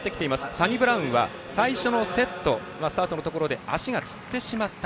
サニブラウンは最初のセットスタートのところで足がつってしまった。